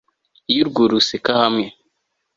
iyo urwuri ruseka hamwe